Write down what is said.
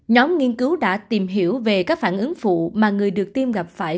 nhóm nghiên cứu đã tìm hiểu về các phản ứng phụ mà người được tiêm gặp phải